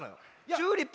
「チューリップ」。